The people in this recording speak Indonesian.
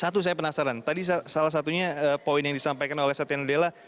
satu saya penasaran tadi salah satunya poin yang disampaikan oleh satya nadella